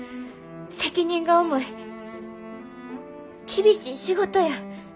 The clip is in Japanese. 責任が重い厳しい仕事や。